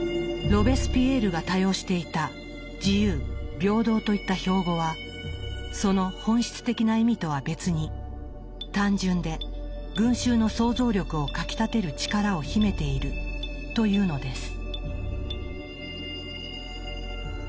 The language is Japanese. ロベスピエールが多用していた「自由」「平等」といった標語はその本質的な意味とは別に単純で群衆の想像力をかきたてる力を秘めているというのです。